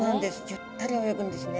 ゆったり泳ぐんですね。